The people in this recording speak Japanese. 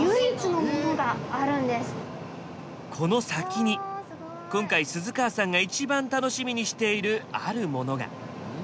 この先に今回鈴川さんが一番楽しみにしているあるものが。